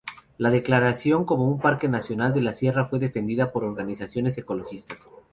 La declaración como parque nacional de la sierra fue defendida por organizaciones ecologistas.